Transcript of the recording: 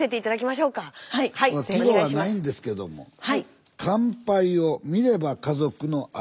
まあ季語はないんですけども「乾杯を観れば家族の愛深く」。